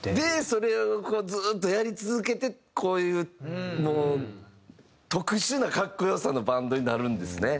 それをずっとやり続けてこういう特殊な格好良さのバンドになるんですね。